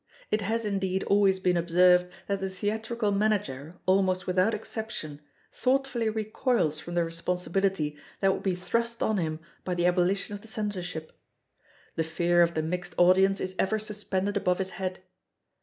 It has, indeed, always been observed that the theatrical manager, almost without exception, thoughtfully recoils from the responsibility that would be thrust on him by the abolition of the Censorship. The fear of the mixed audience is ever suspended above his head.